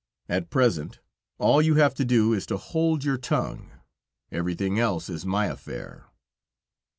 At present, all you have to do is to hold your tongue; everything else is my affair."